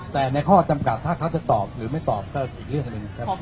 แต่ในข้อจำกัดถ้าเขาจะตอบหรือไม่ตอบก็อีกเรื่องหนึ่งครับ